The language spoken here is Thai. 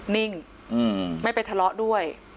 นิ่งไม่ไปทะเลาะด้วย